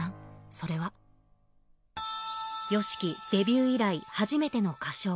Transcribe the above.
それは、ＹＯＳＨＩＫＩデビュー以来初めての歌唱。